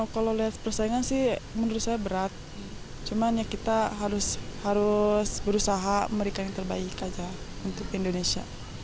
kalau lihat persaingan sih menurut saya berat cuman ya kita harus berusaha memberikan yang terbaik aja untuk indonesia